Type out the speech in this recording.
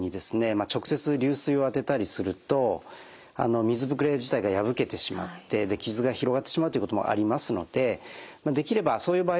直接流水を当てたりすると水ぶくれ自体が破けてしまって傷が広がってしまうっていうこともありますのでできればそういう場合はですね